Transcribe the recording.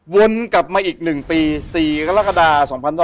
วันกลับมาอีกหนึ่งปี๔กรกฎา๒๑๖๑